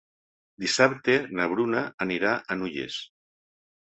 Dissabte na Bruna anirà a Nulles.